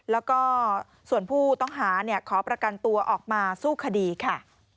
แล้วก็ส่วนผู้ต้องหาขอประกันตัวออกมาสู้คดีค่ะ